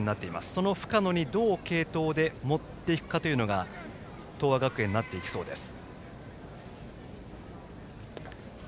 その深野にどう継投で持っていくかが東亜学園になっていきそうです。